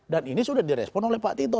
dan ini sudah di respon oleh pak tito